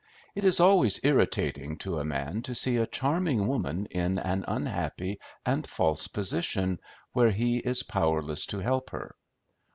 It is always irritating to a man to see a charming woman in an unhappy and false position, where he is powerless to help her.